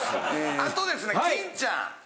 あとですね金ちゃん。